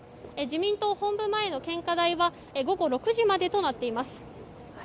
自民党本部前の献花台は午後６時までとなっています。